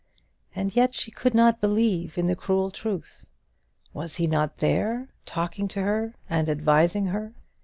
And yet she could not believe in the cruel truth. Was he not there, talking to her and advising her?